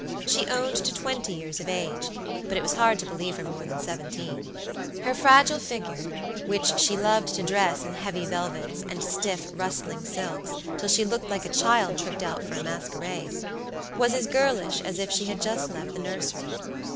She owned to twenty years of age, but it was hard to believe her more than seventeen. Her fragile figure, which she loved to dress in heavy velvets, and stiff, rustling silks, till she looked like a child tricked out for a masquerade, was as girlish as if she had just left the nursery.